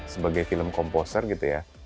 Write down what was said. sebagai film komposer gitu ya